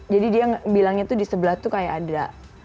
jadi dia bilangnya di sebelah tuh kayak ada